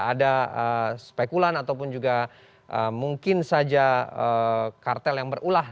ada spekulan ataupun juga mungkin saja kartel yang berulah